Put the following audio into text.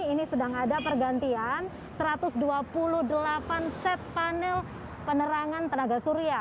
ini sedang ada pergantian satu ratus dua puluh delapan set panel penerangan tenaga surya